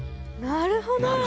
なるほど！